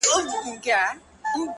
• نه زارۍ دي سي تر ځایه رسېدلای,